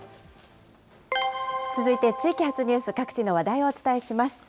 続いて地域発ニュース、各地の話題をお伝えします。